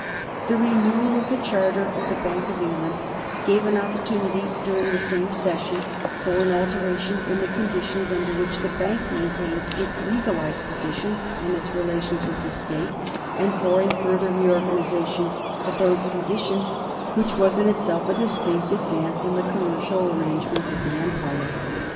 The renewal of the Charter of the Bank of England gave an opportunity, during the same session, for an alteration in the conditions under which the Bank maintains its legalized position and its relations with the State, and for a further reorganization of those conditions, which was in itself a distinct advance in the commercial arrangements of the Empire.